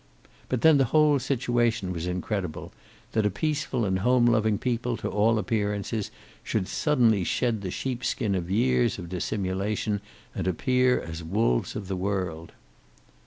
But then the whole situation was incredible; that a peaceful and home loving people, to all appearances, should suddenly shed the sheep skin of years of dissimulation, and appear as the wolves of the world.